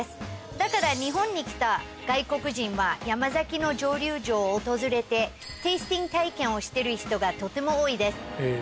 だから日本に来た外国人は山崎の蒸溜所を訪れて。をしてる人がとても多いです。